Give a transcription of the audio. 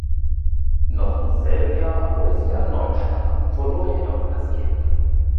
Noch im selben Jahr wurde sie erneut schwanger, verlor jedoch das Kind.